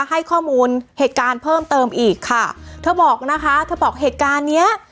ให้ข้อมูลเหตุการณ์เพิ่มเติมอีกค่ะเธอบอกนะคะเธอบอกเหตุการณ์เนี้ย